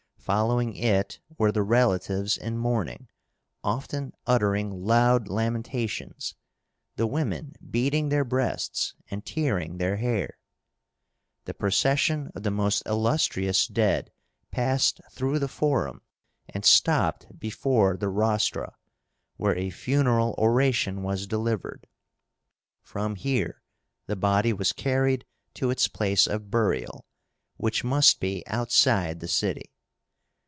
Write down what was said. Following it were the relatives in mourning, often uttering loud lamentations, the women beating their breasts and tearing their hair. The procession of the most illustrious dead passed through the Forum, and stopped before the Rostra, where a funeral oration was delivered. From here the body was carried to its place of burial, which must be outside the city.